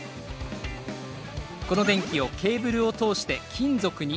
この電気をケーブルを通して金属に送ります。